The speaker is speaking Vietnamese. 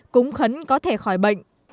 cúng khấn có thể khỏi bệnh